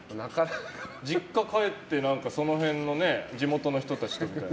実家帰ってその辺の地元の人たちとみたいな。